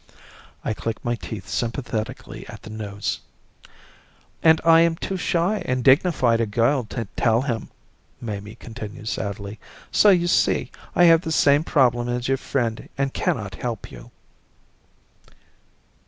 I click my teeth sympathetically at this news. "And I am too shy and dignified a girl to tell him," Mamie continues sadly. "So you see I have the same problem as your friend and cannot help you."